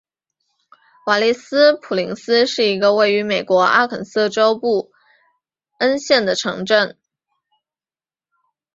瓦利斯普林斯是一个位于美国阿肯色州布恩县的城镇。